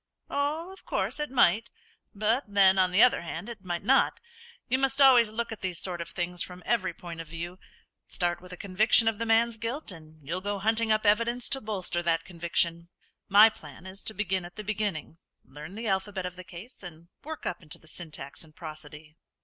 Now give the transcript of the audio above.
"Oh, of course it might; but then, on the other hand, it mightn't. You must always look at these sort of things from every point of view. Start with a conviction of the man's guilt, and you'll go hunting up evidence to bolster that conviction. My plan is to begin at the beginning; learn the alphabet of the case, and work up into the syntax and prosody."